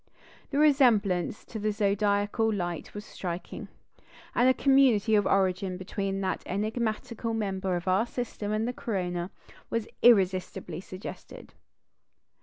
The resemblance to the zodiacal light was striking; and a community of origin between that enigmatical member of our system and the corona was irresistibly suggested.